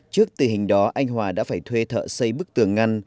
trước tình hình đó anh hòa đã phải thuê thợ xây bức tường ngăn